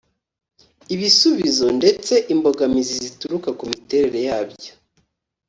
Ibisubizo ndetse imbogamizi zituruka ku miterere yabyo.